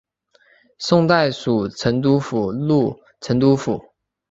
宋代属成都府路成都府。